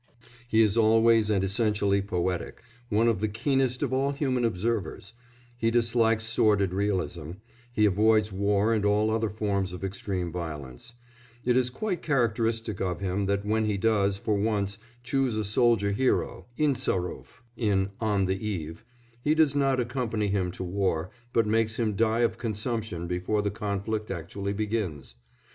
He is always and essentially poetic; one of the keenest of all human observers, he dislikes sordid realism; he avoids war and all other forms of extreme violence; it is quite characteristic of him that when he does, for once, choose a soldier hero Insarov in On the Eve he does not accompany him to war, but makes him die of consumption before the conflict actually begins.